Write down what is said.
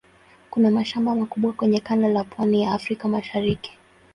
Kuna mashamba makubwa kwenye kanda la pwani ya Afrika ya Mashariki.